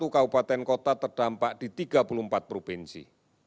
tiga ratus dua puluh satu kabupaten kota terdampak di tiga puluh empat provinsi